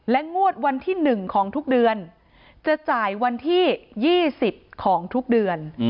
งวดวันที่๑ของทุกเดือนจะจ่ายวันที่๒๐ของทุกเดือน